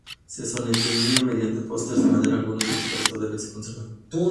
Se sostenía mediante postes de madera, algunos de los cuales todavía se conservan.